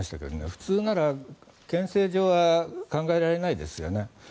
普通なら憲政上は考えられないですよね。